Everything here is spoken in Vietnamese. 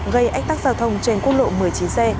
gây ách tắc giao thông trên quốc lộ một mươi chín c